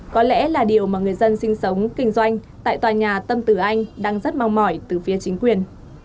có lẽ là điều mà người dân sinh sống kinh doanh tại tòa nhà tâm tử anh đang rất mong mỏi từ phía chính quyền